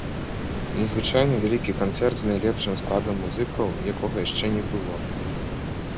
Незвычайны вялікі канцэрт з найлепшым складам музыкаў, якога яшчэ не было.